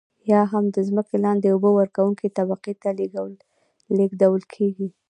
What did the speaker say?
یا هم د ځمکې لاندې اوبه ورکونکې طبقې ته لیږدول کیږي.